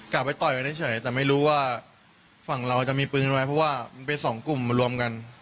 กลับไปต่อยไปเฉยแต่ไม่รู้ว่าฝั่งเราจะมีปืนไหมเพราะว่ามันเป็นสองกลุ่มมารวมกัน